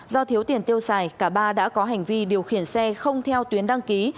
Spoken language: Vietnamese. do thiếu tiền tiêu xài cả ba đã có hành vi điều khiển xe không theo tuyến đăng ký